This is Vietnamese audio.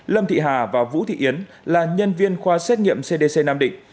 lâm thị hà và vũ thị yến là nhân viên khoa xét nghiệm cdc nam định